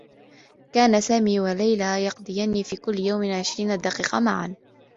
كانا سامي و ليلى يقضيان في كلّ يوم عشرين دقيقة معا.